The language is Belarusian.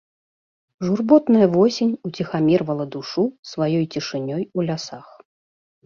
Журботная восень уціхамірвала душу сваёю цішынёй у лясах.